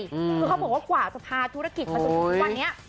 คือเขาบอกว่าขวาสถาทธุรกิจมาจนกว่านี้